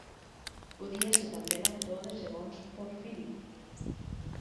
Podia ser també l'autor de segons Porfiri.